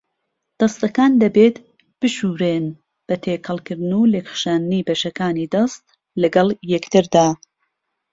دەستەکان دەبێت بشورێن بە تێکەڵکردن و لێکخشاندنی بەشەکانی دەست لەگەڵ یەکتردا.